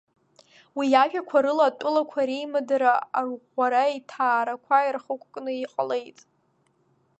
Уи иажәақәа рыла, атәылақәа реимадара арӷәӷәара иҭаарақәа ирхықәкны иҟалеит.